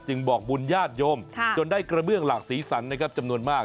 จึงบอกบุญญาตยมจนได้กระเบื้องหลากสีสันจำนวนมาก